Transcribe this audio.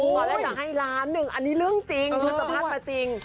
กำลังให้ล้านหนึ่งอันนี้เรื่องจริงต้องจะพัดไปจริง